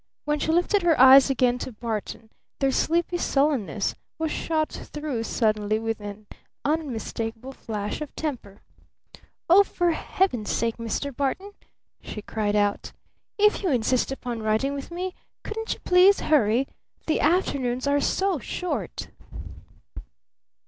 When she lifted her eyes again to Barton their sleepy sullenness was shot through suddenly with an unmistakable flash of temper. "Oh, for Heaven's sake, Mr. Barton!" she cried out. "If you insist upon riding with me, couldn't you please hurry? The afternoons are so short!"